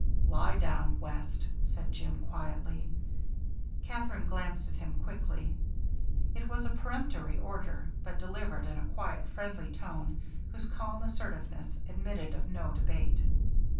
"Lie down, West," said Jim, quietly. Katherine glanced at him quickly. It was a peremptory order, but delivered in a quiet friendly tone whose calm assertiveness admitted of no debate.